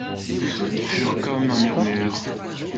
furent comme un murmure.